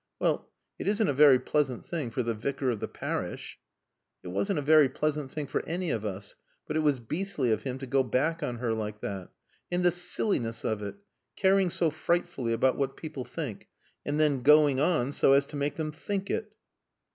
"Well it isn't a very pleasant thing for the Vicar of the parish " "It wasn't a very pleasant thing for any of us. But it was beastly of him to go back on her like that. And the silliness of it! Caring so frightfully about what people think, and then going on so as to make them think it."